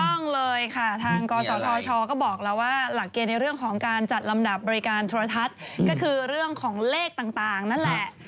ต้องเลยค่ะทางกศธชก็บอกแล้วว่าหลักเกณฑ์ในเรื่องของการจัดลำดับบริการโทรทัศน์ก็คือเรื่องของเลขต่างนั่นแหละ